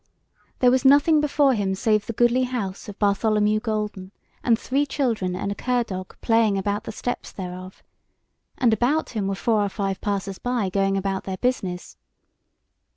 there was nothing before him save the goodly house of Bartholomew Golden, and three children and a cur dog playing about the steps thereof, and about him were four or five passers by going about their business.